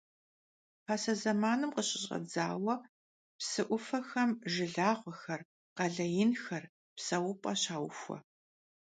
Pase zemanım khışış'edzaue psı 'Ufexem jjılağuexer, khale yinxer, pseup'e şauxue.